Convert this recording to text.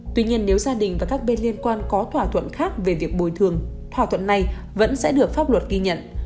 tuy nhiên nếu gia đình và các bên liên quan có thỏa thuận khác về việc bồi thường thỏa thuận này vẫn sẽ được pháp luật ghi nhận